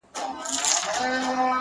o څنگه به هغه له ياده وباسم ـ